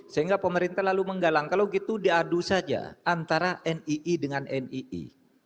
sehingga pemerintah lalu menggalang kalau gitu diadu saja antara nii dengan nii